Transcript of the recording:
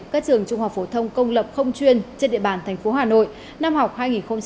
các trường trung học phổ thông công lập không chuyên trên địa bàn tp hà nội năm học hai nghìn một mươi chín hai nghìn hai mươi